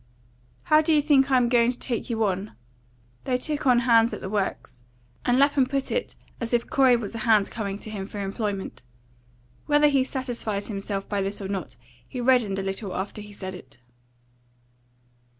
"How do you think I am going to take you on?" They took on hands at the works; and Lapham put it as if Corey were a hand coming to him for employment. Whether he satisfied himself by this or not, he reddened a little after he had said it.